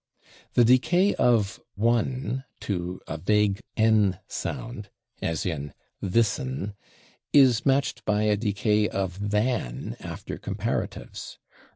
The decay of /one/ to a vague /n/ sound, as in /this'n/, is matched by a decay of /than/ after comparatives.